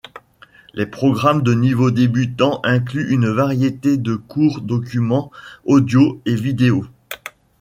Les programmes de niveau débutant incluent une variété de courts documents audios et vidéos.